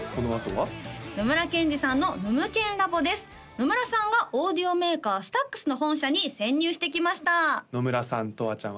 野村さんがオーディオメーカーＳＴＡＸの本社に潜入してきました野村さんとわちゃん